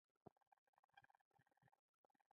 همدا مفهوم د خوشحال بابا په شعر کې نغښتی دی.